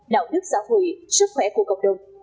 đạo đức xã hội sức khỏe của cộng đồng